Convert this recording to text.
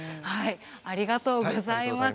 ありがとうございます。